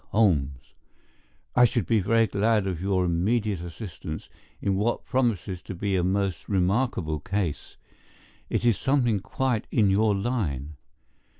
HOLMES: I should be very glad of your immediate assistance in what promises to be a most remarkable case. It is something quite in your line.